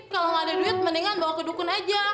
kalau nggak ada duit mendingan bawa ke dukun aja